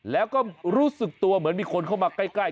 แล้วก็รู้สึกตัวเหมือนมีคนเข้ามาใกล้